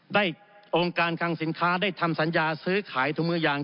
องค์การคังสินค้าได้ทำสัญญาซื้อขายถุงมือยาง